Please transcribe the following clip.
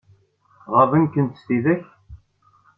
Ɣaḍent-kent tidak?